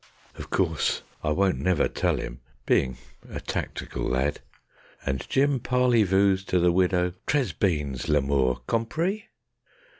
_ Of course I won't never tell 'im, bein' a tactical lad; And Jim parley voos to the widder: "Trez beans, lamoor; compree?"